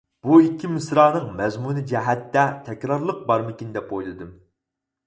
بۇ ئىككى مىسرانىڭ مەزمۇنى جەھەتتە تەكرارلىق بارمىكىن دەپ ئويلىدىم.